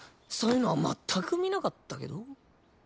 そういうのは全く見なかったけど。